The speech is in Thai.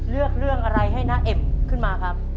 เลือกเรื่องอะไรให้น้าเอ็มขึ้นมาครับ